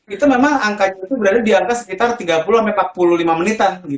itu memang angkanya itu berada di angka sekitar tiga puluh sampai empat puluh lima menitan